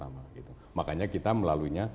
makanya kita melalui